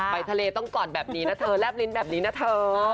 ไปทะเลต้องก่อนแบบนี้นะเธอแลบลิ้นแบบนี้นะเธอ